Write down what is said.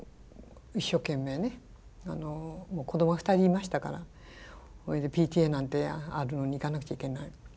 もう子どもは２人いましたからそれでＰＴＡなんてあるのに行かなくちゃいけない。